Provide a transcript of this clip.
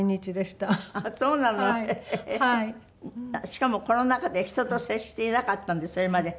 しかもコロナ禍で人と接していなかったんでそれまで。